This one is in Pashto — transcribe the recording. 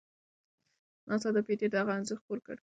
ناسا د پېټټ دغه انځور خپور کړ.